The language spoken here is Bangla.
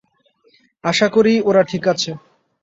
আশা করি, ওরা ঠিক আছে!